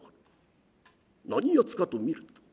何やつかと見ると。